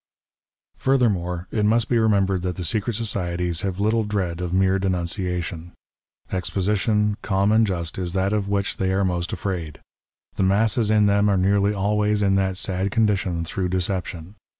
Purthermore, it must be remembered that secret societies have little dread of mere denunciation. Exposi tion, calm and just, is that of which they are most afraid. The masses in them are nearly always in that sad condition through deception.